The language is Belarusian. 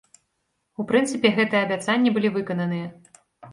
У прынцыпе, гэтыя абяцанні былі выкананыя.